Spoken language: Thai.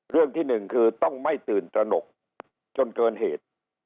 เรื่องที่หนึ่งคือต้องไม่ตื่นตระหนกจนเกินเหตุ